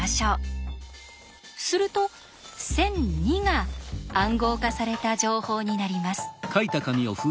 すると１００２が「暗号化された情報」になります。